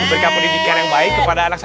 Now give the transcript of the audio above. berikan pendidikan yang baik kepada ustadz ya